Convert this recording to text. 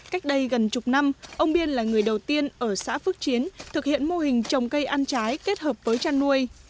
cách đây gần chục năm ông biên là người đầu tiên ở xã phước chiến thực hiện mô hình trồng cây ăn trái kết hợp với chăn nuôi